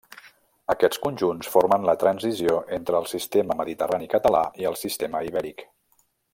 Aquests conjunts formen la transició entre el sistema Mediterrani Català i el sistema Ibèric.